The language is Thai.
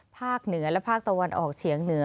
ภาคเหนือและภาคตะวันออกเฉียงเหนือ